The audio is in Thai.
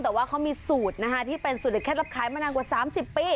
แต่ว่าเขามีสูตรนะคะที่เป็นสูตรเด็ดเคล็ดลับขายมานานกว่า๓๐ปี